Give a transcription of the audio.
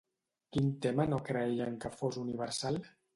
Quin tema no creien que fos universal?